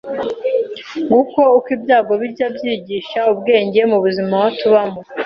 Nguko uko ibyago bijya byigisha ubwenge mubuzima tubamo